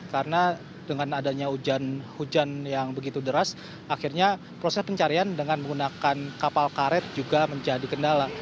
karena dengan adanya hujan hujan yang begitu deras akhirnya proses pencarian dengan menggunakan kapal karet juga menjadi kendala